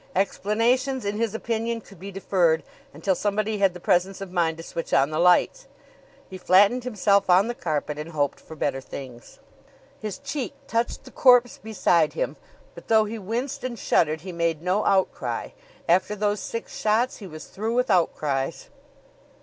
Explanations, in his opinion, could be deferred until somebody had the presence of mind to switch on the lights. He flattened himself on the carpet and hoped for better things. His cheek touched the corpse beside him; but though he winced and shuddered he made no outcry. After those six shots he was through with outcries.